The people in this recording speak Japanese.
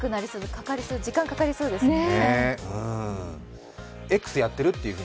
時間がかかりそうですね。